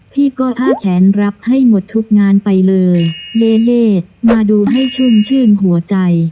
พี่ก็อ้าแขนรับให้หมดทุกงานไปเลยเลเล่มาดูให้ชุ่มชื่นหัวใจ